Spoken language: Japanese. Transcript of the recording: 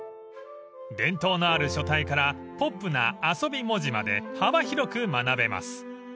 ［伝統のある書体からポップな遊び文字まで幅広く学べます］